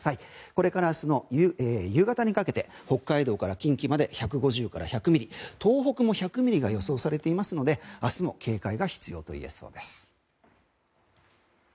これから明日の夕方にかけて北海道から近畿まで１００から１５０ミリ東北も１５０ミリが予想されますので明日も警戒が必要といえそうです。